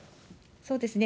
そうですね。